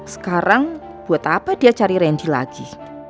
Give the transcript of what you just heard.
sekarang buat apa dia cari randy lagi